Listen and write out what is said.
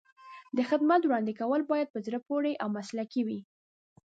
د خدمت وړاندې کول باید په زړه پورې او مسلکي وي.